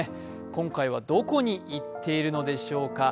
今回はどこに行っているのでしょうか。